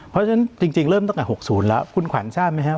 เพราะฉะนั้นจริงเริ่มตั้งแต่๖๐แล้วคุณขวัญทราบไหมครับ